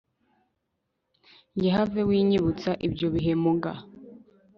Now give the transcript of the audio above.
Njye have winyibutsa ibyo bihe muga